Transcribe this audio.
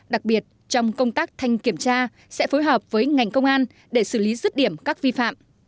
đặc biệt trong công tác thanh kiểm tra sẽ phối hợp với ngành công an để xử lý rứt điểm các vi phạm